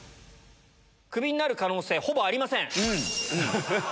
クビになる可能性、ほぼありません。